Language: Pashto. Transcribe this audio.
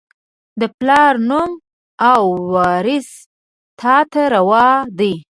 د پلار نوم او، وراث تا ته روا دي